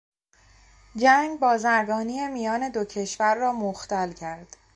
جنگ، بازرگانی میان دو کشور را مختل کرد.